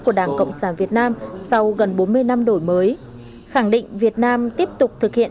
của đảng cộng sản việt nam sau gần bốn mươi năm đổi mới khẳng định việt nam tiếp tục thực hiện